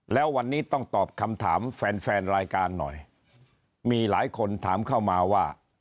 แล้ววันนี้ต้องตอบคำถามแฟนแฟนรายการหน่อยมีหลายคนถามเข้ามาว่า